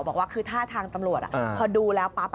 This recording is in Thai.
บอกว่าคือท่าทางตำรวจพอดูแล้วปั๊บ